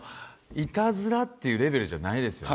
いたずらっていうレベルじゃないですよね。